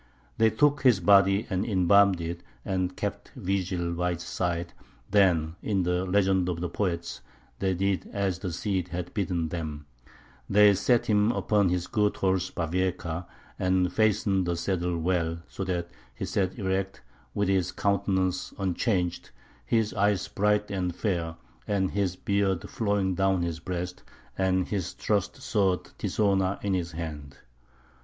They took his body and embalmed it, and kept vigil by its side; then, in the legend of the poets, they did as the Cid had bidden them: they set him upon his good horse Bavieca, and fastened the saddle well, so that he sat erect, with his countenance unchanged, his eyes bright and fair, and his beard flowing down his breast, and his trusty sword Tizona in his hand.